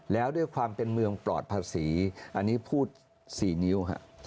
แล้วด้วยความเป็นเมืองปลอดภาษีอันนี้พูด๔นิ้ว